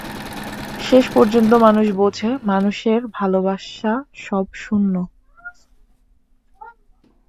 শেষ পর্যন্ত মানুষ বোঝে, মানুষের ভালবাসা সব শূন্য।